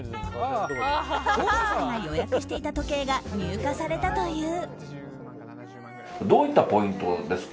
大野さんが予約していた時計が入荷されたという。